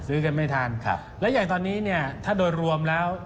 ซื้อกันไม่ทันแล้วอย่างตอนนี้ถ้าโดยรวมแล้ว